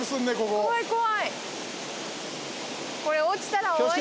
怖い怖い。